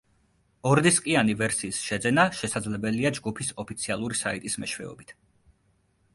ორდისკიანი ვერსიის შეძენა შესაძლებელია ჯგუფის ოფიციალური საიტის მეშვეობით.